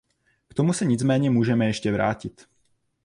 K tomu se nicméně můžeme ještě vrátit.